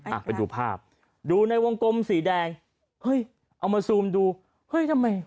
อ่ะไปดูภาพดูในวงกลมสีแดงเฮ้ยเอามาซูมดูเฮ้ยทำไม